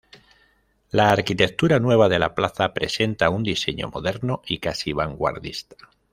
La arquitectura nueva de la plaza presenta un diseño moderno y casi vanguardista.